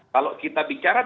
kalau kita bicara